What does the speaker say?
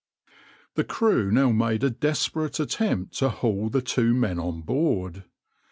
\par The crew now made a desperate attempt to haul the two men on board.